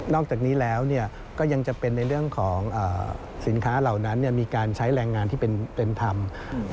อกจากนี้แล้วก็ยังจะเป็นในเรื่องของสินค้าเหล่านั้นมีการใช้แรงงานที่เป็นธรรม